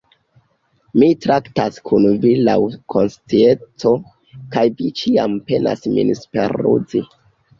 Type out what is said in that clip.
Mi traktas kun vi laŭ konscienco, kaj vi ĉiam penas min superruzi.